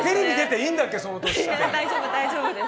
いえ、大丈夫、大丈夫です。